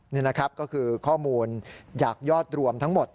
นี่นะครับก็คือข้อมูลจากยอดรวมทั้งหมด